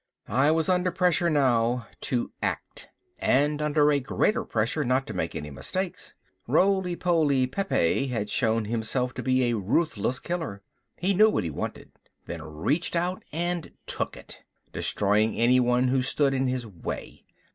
I was under pressure now to act. And under a greater pressure not to make any mistakes. Roly poly Pepe had shown himself to be a ruthless killer. He knew what he wanted then reached out and took it. Destroying anyone who stood in his way.